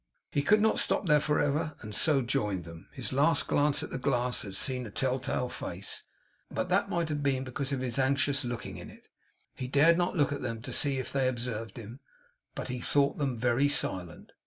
He could not stop there for ever, and so joined them. His last glance at the glass had seen a tell tale face, but that might have been because of his anxious looking in it. He dared not look at them to see if they observed him, but he thought them very silent.